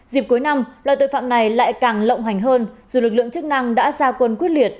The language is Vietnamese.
dịp cuối năm loại tội phạm này lại càng lộng hành hơn dù lực lượng chức năng đã ra quân quyết liệt